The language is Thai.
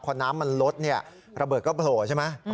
พอน้ำมันลดเนี่ยระเบิดก็โผล่ใช่ไหม